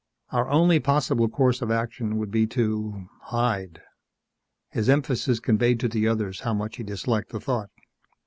Our only possible course of action would be to hide." His emphasis conveyed to the others how much he disliked the thought.